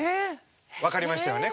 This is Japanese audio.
分かりましたよね？